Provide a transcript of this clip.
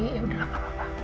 kita tunggu aja